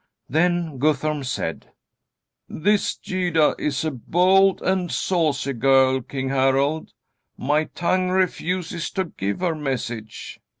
Then Guthorm said: "This Gyda is a bold and saucy girl, King Harald. My tongue refuses to give her message."